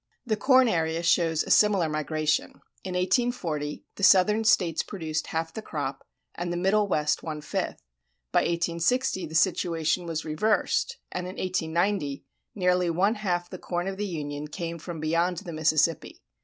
The corn area shows a similar migration. In 1840 the Southern States produced half the crop, and the Middle West one fifth; by 1860 the situation was reversed and in 1890 nearly one half the corn of the Union came from beyond the Mississippi.